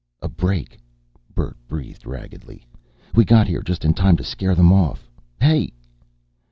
"A break," Bert breathed raggedly. "We got here just in time to scare them off.... Hey!..."